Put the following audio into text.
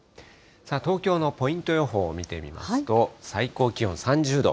東京のポイント予報を見てみますと、最高気温３０度。